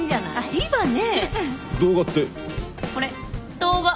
いいわね。